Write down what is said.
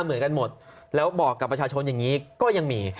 เหมือนกันหมดแล้วบอกกับประชาชนอย่างนี้ก็ยังมี